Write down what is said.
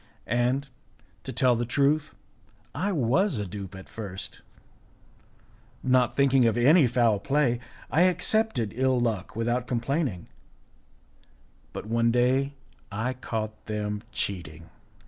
And, to tell the truth, I was a dupe at first; not thinking of any foul play, I accepted ill luck without complaining; but one day I caught them cheating.